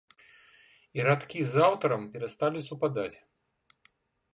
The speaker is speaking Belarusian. І радкі з аўтарам перасталі супадаць.